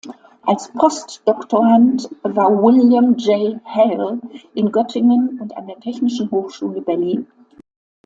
Als Post-Doktorand war William Jay Hale in Göttingen und an der Technischen Hochschule Berlin.